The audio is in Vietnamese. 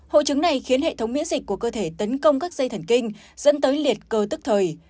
hội chứng này khiến hệ thống miễn dịch của cơ thể tấn công các dây thần kinh dẫn tới liệt cơ tức thời